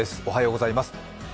おはようございます。